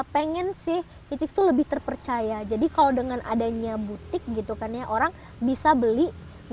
pengen sih icis tuh lebih terpercaya jadi kalau dengan adanya butik gitu kan ya orang bisa beli